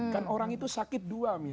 kan orang itu sakit dua